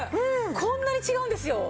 こんなに違うんですよ。